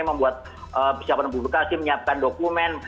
membuat persiapan publikasi menyiapkan dokumen